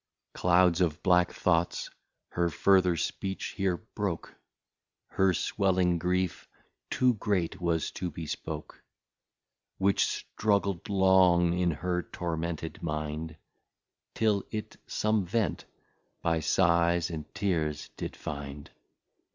Clouds of black Thoughts her further Speech here broke, Her swelling Grief too great was to be spoke, Which strugl'd long in her tormented Mind, Till it some Vent by Sighs and Tears did find.